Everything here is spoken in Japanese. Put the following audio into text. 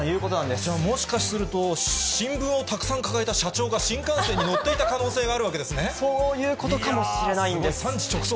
じゃあ、もしかすると、新聞をたくさん抱えた社長が、新幹線に乗っていた可能性があるそういうことかもしれないん産地直送。